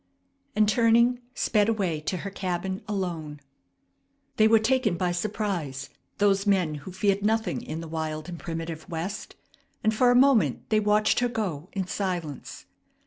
and, turning, sped away to her cabin alone. They were taken by surprise, those men who feared nothing in the wild and primitive West, and for a moment they watched her go in silence.